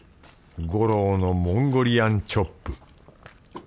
五郎のモンゴリアンチョップ。